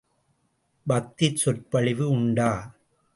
பக்திச் சொற்பொழிவு உண்டா?